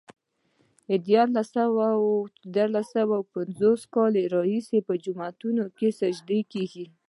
د دیارلس سوه پنځوس کاله راهيسې په جوماتونو کې سجدې کېږي.